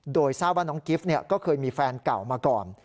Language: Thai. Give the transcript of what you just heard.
โดยทราบว่าน้องกิฟต์ก็เคยมีแฟนเก่ามาก่อน